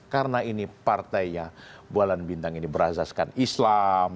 karena ini partai bulan bintang ini berazaskan islam